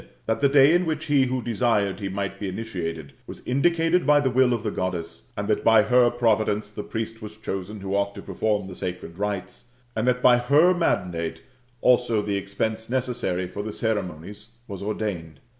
That the day in which he who desired he might be initiated was indicated by the will of the Goddess, and that by her providence the priest was chosen whp ought to perform the sacred rites, and that by her mandate also the expense necessary for the ceremonies was ordained.